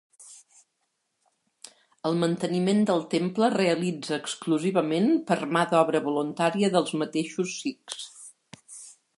El manteniment del temple es realitza exclusivament per mà d'obra voluntària dels mateixos sikhs.